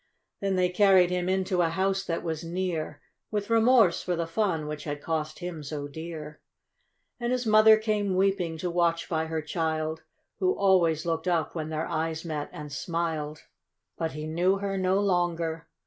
Then they carried him into a house that was near, With remorse for the fun which had cost him so dear, And his Mother came weeping, to watch by her child, Who always looked up, when their eyes met, and smiled ; But he knew her no longer